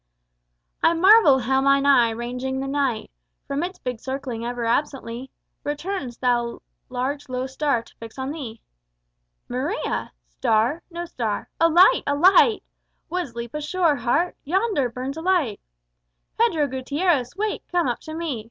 "I marvel how mine eye, ranging the Night, From its big circling ever absently Returns, thou large low Star, to fix on thee. Maria! Star? No star: a Light, a Light! Wouldst leap ashore, Heart? Yonder burns a Light. Pedro Gutierrez, wake! come up to me.